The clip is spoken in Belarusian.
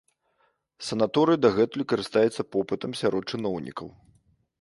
Санаторый дагэтуль карыстаецца попытам сярод чыноўнікаў.